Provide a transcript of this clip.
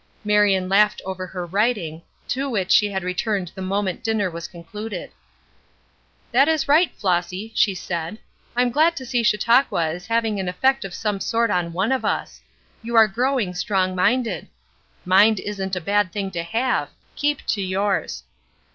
Marion laughed over her writing, to which she had returned the moment dinner was concluded. "That is right, Flossy," she said, "I'm glad to see Chautauqua is having an effect of some sort on one of us. You are growing strong minded; mind isn't a bad thing to have; keep to yours.